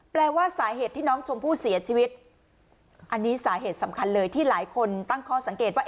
แปลว่าสาเหตุที่น้องชมพู่เสียชีวิตอันนี้สาเหตุสำคัญเลยที่หลายคนตั้งข้อสังเกตว่า